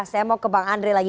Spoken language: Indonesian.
saya mau ke bang andre lagi